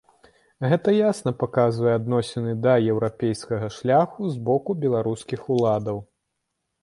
Гэта ясна паказвае адносіны да еўрапейскага шляху з боку беларускіх уладаў.